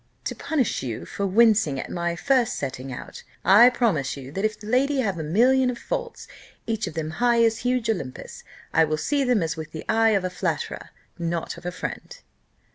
To punish you for wincing at my first setting out, I promise you, that if the lady have a million of faults, each of them high as huge Olympus, I will see them as with the eye of a flatterer not of a friend."